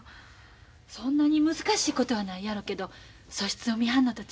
そんなに難しいことはないやろけど素質を見はんのと違うか？